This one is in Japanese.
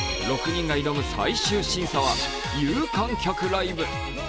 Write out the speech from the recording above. ６人が挑む最終審査は有観客ライブ。